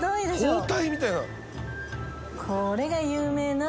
これが有名な。